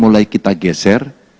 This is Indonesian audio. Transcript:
mulai kita geser